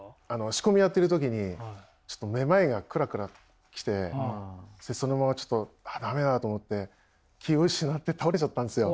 仕込みやってる時にちょっとめまいがクラクラきてそのままちょっと駄目だと思って気を失って倒れちゃったんですよ。